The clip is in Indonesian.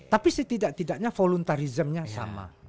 tapi setidak tidaknya voluntarismnya sama